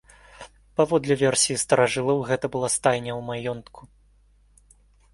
Паводле версіі старажылаў, гэта была стайня ў маёнтку.